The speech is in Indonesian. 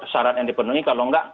syarat yang dipenuhi kalau enggak